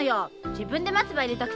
自分で松葉入れたくせに！